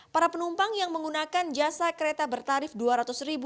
para penumpang yang menggunakan jasa kereta bertarung